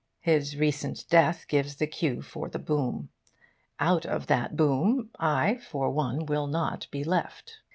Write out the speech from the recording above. His recent death gives the cue for the boom. Out of that boom I, for one, will not be left.